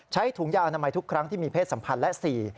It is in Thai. ถุงยางอนามัยทุกครั้งที่มีเพศสัมพันธ์และสี่